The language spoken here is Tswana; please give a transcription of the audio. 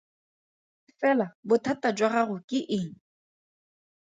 Fela bothata jwa gago ke eng?